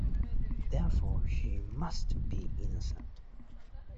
Therefore she must be innocent!